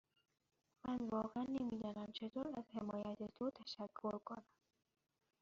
من واقعا نمی دانم چطور از حمایت تو تشکر کنم.